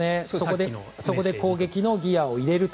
そこで攻撃のギアを入れると。